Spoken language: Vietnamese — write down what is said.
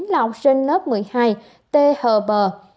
là học sinh lớp một mươi hai thb